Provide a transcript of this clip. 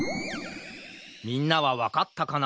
みんなはわかったかな？